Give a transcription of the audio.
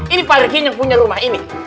ini pak riki yang punya rumah ini